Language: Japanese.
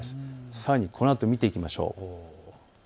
さらにこのあと見ていきましょう。